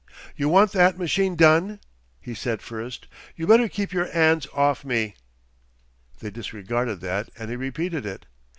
"You want that machine done," he said first, "you better keep your 'ands off me!" They disregarded that and he repeated it.